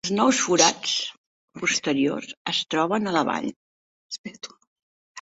Els nous forats posteriors es troben a la vall.